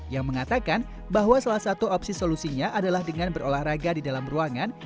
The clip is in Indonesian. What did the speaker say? yang mengatakan bahwa salah satu opsi solusinya adalah dengan berolahraga di dalam ruangan